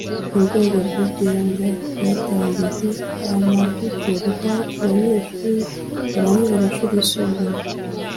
urwego rwigenga rwatangije amahugurwa ku banyeshuri barangije amashuri yisumbuye